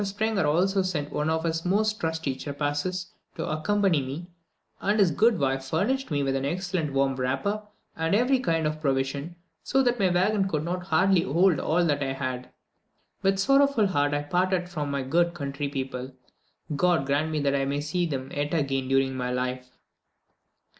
Sprenger also sent one of his most trusty cheprasses to accompany me, and his good wife furnished me with an excellent warm wrapper, and every kind of provision, so that my waggon would hardly hold all that I had. With a sorrowful heart I parted from my good country people. God grant that I may see them yet again during my life!